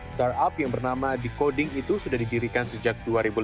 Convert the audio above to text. startup yang bernama de coding itu sudah didirikan sejak dua ribu lima belas